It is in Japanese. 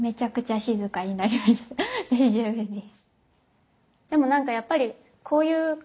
大丈夫です。